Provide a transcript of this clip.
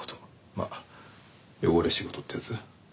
まあ汚れ仕事ってやつ。